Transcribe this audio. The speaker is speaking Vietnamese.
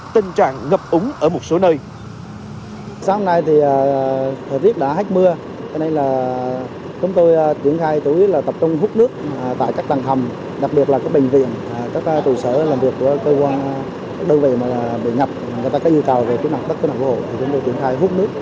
tình trạng ngập ủng ở một số nơi